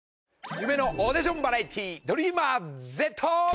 『夢のオーディションバラエティーＤｒｅａｍｅｒＺ』。